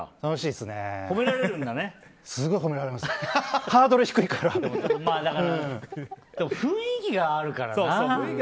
でも雰囲気があるからな。